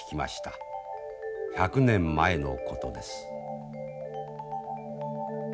１００年前のことです。